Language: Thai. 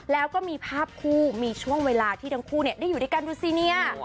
แล้วก็มีภาพคู่มีช่วงเวลาที่ทั้งคู่ได้อยู่ด้วยกันดูสิเนี่ย